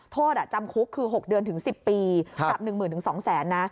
โทษจำคุกคือ๖เดือนถึง๑๐ปีกลับ๑หมื่นถึง๒แสนนะ